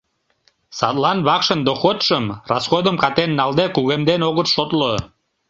Садлан вакшын доходшым, расходым катен налде, кугемден огыт шотло.